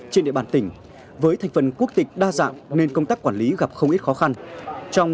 trên địa bàn tỉnh với thành phần quốc tịch đa dạng nên công tác quản lý gặp không ít khó khăn